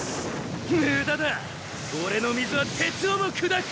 無駄だ俺の水は鉄をも砕く！